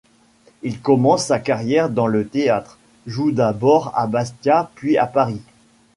Il commence sa carrière dans le théâtre, joue d'abord à Bastia, puis à Paris.